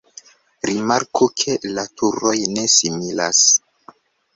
Rimarku ke la turoj ne similas.